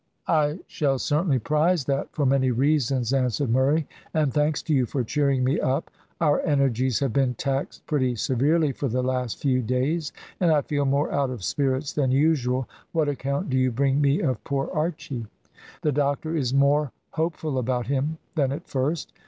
"I shall certainly prize that for many reasons," answered Murray, "and thanks to you for cheering me up. Our energies have been taxed pretty severely for the last few days, and I feel more out of spirits than usual. What account do you bring me of poor Archy?" "The doctor is more hopeful about him than at first.